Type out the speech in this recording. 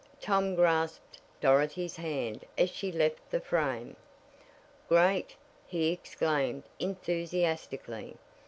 Tom grasped Dorothy's hand as she left the frame. "Great!" he exclaimed enthusiastically.